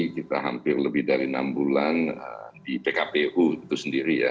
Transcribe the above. kita hampir lebih dari enam bulan di pkpu itu sendiri ya